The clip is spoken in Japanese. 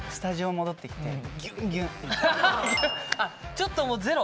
ちょっともうゼロ？